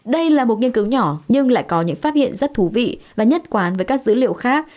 đây là một nghiên cứu nhỏ nhưng lại có những phát hiện rất thú vị và nhất quán với các dữ liệu khác